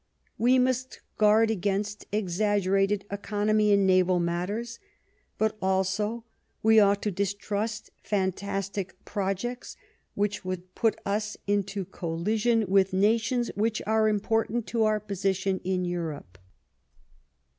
We must guard against exaggerated economy in naval matters, but also we ought to distrust fan tastic projects which would put us into collision with nations which are important to our position in Europe.